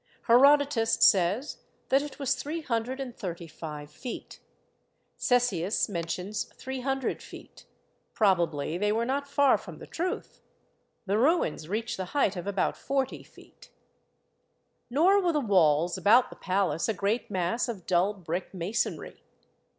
Herodotus says that it was three hun dred and thirty five feet; Ctesias mentions three hundred feet; probably they were not far from 76 THE SEVEN WONDERS the truth. The ruins reach the height of about forty feet. Nor were the walls about the palace a great mass of dull brick masonry.